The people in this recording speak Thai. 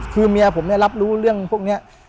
คือเมียผมเนี่ยรับรู้เรื่องพวกนี้